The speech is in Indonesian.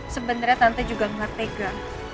sebenarnya tante juga gak tega